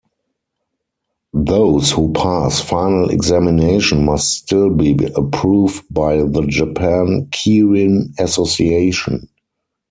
Those who pass final examination must still be approved by the Japan Keirin Association.